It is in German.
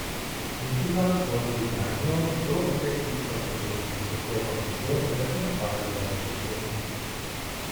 Insgesamt wurden die Daimyō so effektiv kontrolliert und zur Kooperation mit der Zentralgewalt gezwungen.